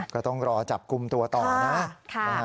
ก็ต้องรอจับกลุ่มตัวต่อนะ